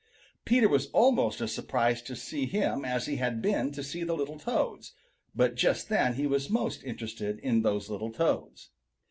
Peter was almost as surprised to see him as he had been to see the little Toads, but just then he was most interested in those little Toads.